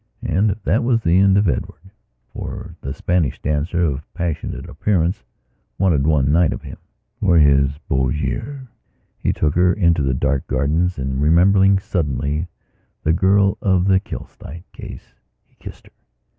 And that was the end of Edwardfor the Spanish dancer of passionate appearance wanted one night of him for his beaux yeux. He took her into the dark gardens and, remembering suddenly the girl of the Kilsyte case, he kissed her.